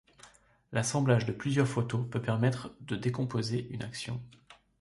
L'assemblage de plusieurs photos peut permettre de décomposer une action.